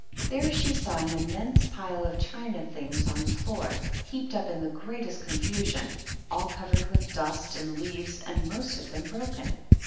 There she saw an immense pile of china things on the floor, heaped up in the greatest confusion, all covered with dust and leaves, and most of them broken.